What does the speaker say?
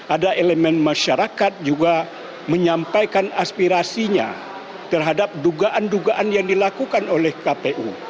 ada elemen masyarakat juga menyampaikan aspirasinya terhadap dugaan dugaan yang dilakukan oleh kpu